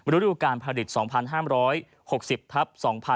รู้รู้การผลิต๒๕๖๐ถับ๒๕๖๑